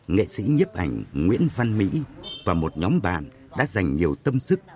nghệ sĩ nhấp ảnh nguyễn văn mỹ và một nhóm bạn đã dành nhiều tâm sức